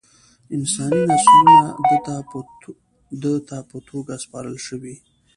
انساني نسلونه ده ته په توګه سپارل شوي.